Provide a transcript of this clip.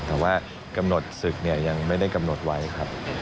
แต่ว่ากำหนดศึกเนี่ยยังไม่ได้กำหนดไว้ครับ